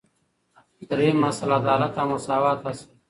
دریم اصل : عدالت او مساواتو اصل